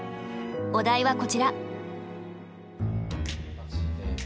お題はこちら。